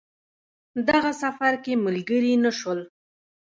دغه سفر کې ملګري نه شول.